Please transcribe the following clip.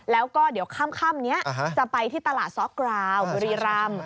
แล้วก็เดี๋ยวค่ำนี้จะไปที่ตลาดซ้อกราวบุรีรำ